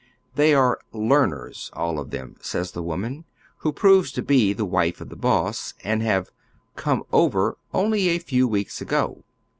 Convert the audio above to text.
They are " learners," all of them, says the woman, who proves to be the wife of the boss, and have " come ovei'" only a few weeks ago.